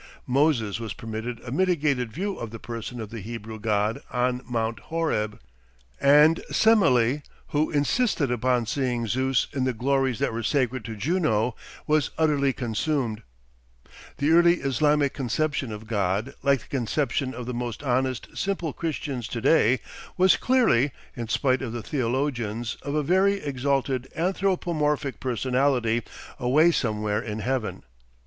Moses was permitted a mitigated view of the person of the Hebrew God on Mount Horeb; and Semele, who insisted upon seeing Zeus in the glories that were sacred to Juno, was utterly consumed. The early Islamic conception of God, like the conception of most honest, simple Christians to day, was clearly, in spite of the theologians, of a very exalted anthropomorphic personality away somewhere in Heaven.